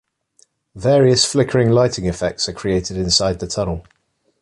Various flickering lighting effects are created inside the tunnel.